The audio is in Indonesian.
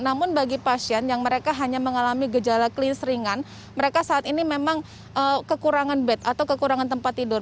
namun bagi pasien yang mereka hanya mengalami gejala klinis ringan mereka saat ini memang kekurangan bed atau kekurangan tempat tidur